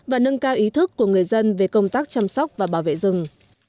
và nâng cao ý thức của người dân về công tác chăm sóc và bảo vệ rừng